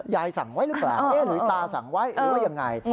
สั่งไว้หรือเปล่าหรือตาสั่งไว้หรือว่ายังไง